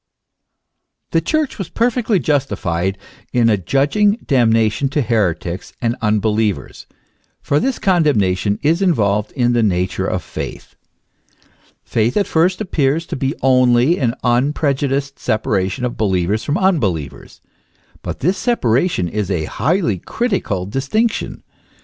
The Church was perfectly justified in adjudging damnation to heretics and unbelievers,* for this condemnation is involved in the nature of faith. Faith at first appears to be only ^ln unprejudiced separation of believers from unbelievers; but this separation is a highly critical distinction.